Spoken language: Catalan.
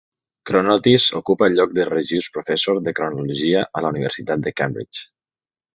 Chronotis ocupa el lloc de Regius Professor de Cronologia a la universitat de Cambridge.